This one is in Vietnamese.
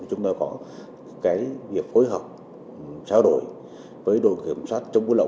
chúng tôi có cái việc phối hợp trao đổi với đội kiểm soát trung quốc lậu